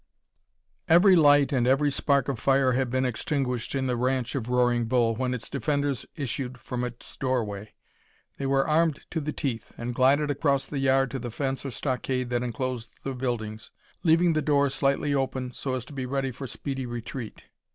Every light and every spark of fire had been extinguished in the ranch of Roaring Bull when its defenders issued from its doorway. They were armed to the teeth, and glided across the yard to the fence or stockade that enclosed the buildings, leaving the door slightly open so as to be ready for speedy retreat.